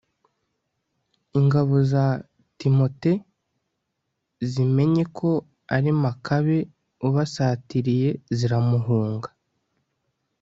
ingabo za timote zimenye ko ari makabe ubasatiriye, ziramuhunga